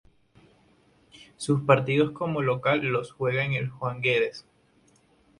Sus partidos como local los juega en el Juan Guedes.